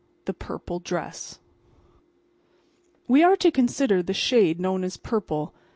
THE PURPLE DRESS We are to consider the shade known as purple.